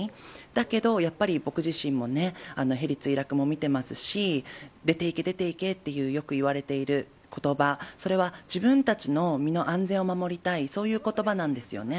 だけど、やっぱり僕自身もね、ヘリ墜落も見てますし、出ていけ、出ていけってよく言われていることば、それは自分たちの身の安全を守りたい、そういうことばなんですよね。